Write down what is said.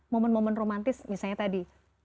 momen momen romantis misalnya tadi